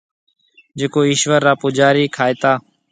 جڪو ايشوَر را پُوجاري کائيتا۔